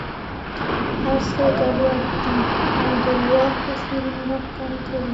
هر څه ګډوډ دي او درواغ تصویرونه را ښکاره کوي.